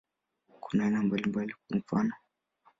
Kuna aina mbalimbali, kwa mfano.